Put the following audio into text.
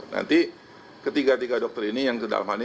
nanti ketiga tiga dokter ini yang ke dalam hal ini